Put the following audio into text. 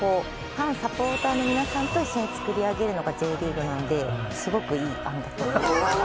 ファン・サポーターの皆さんと一緒に作り上げるのがＪリーグなのですごくいい案だと。